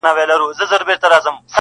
سیند بهیږي غاړي غاړي د زلمیو مستي غواړي٫